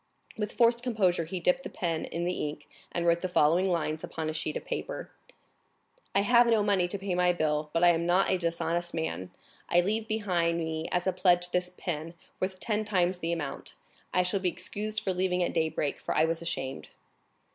With forced composure he dipped the pen in the ink, and wrote the following lines upon a sheet of paper: "I have no money to pay my bill, but I am not a dishonest man; I leave behind me as a pledge this pin, worth ten times the amount. I shall be excused for leaving at daybreak, for I was ashamed."